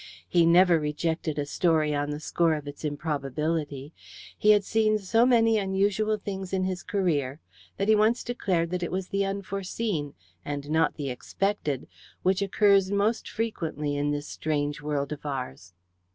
He never rejected a story on the score of its improbability. He had seen so many unusual things in his career that he once declared that it was the unforeseen, and not the expected, which occurs most frequently in this strange world of ours.